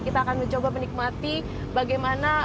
kita akan mencoba menikmati bagaimana